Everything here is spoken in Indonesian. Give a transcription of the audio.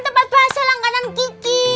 tempat bahasa langganan kiki